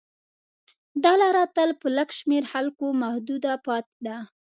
دا لاره تل په لږ شمېر خلکو محدوده پاتې ده.